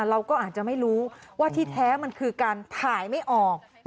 เราก็อาจจะไม่รู้ว่าที่แท้มันคือการถ่ายไม่ออก